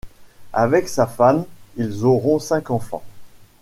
Avec sa femme ils auront cinq enfants.